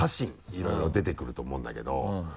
いろいろ出てくると思うんだけど。